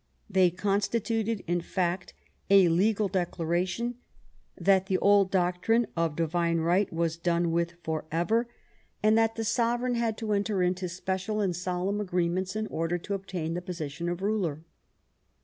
They constituted, in fact, a legal declaration that the old doctrine of divine right was done with forever, and that the sovereign 62 THOSE AROUND QUEEN ANNE had to enter into special and solemn agreements in order to obtain the position of ruler.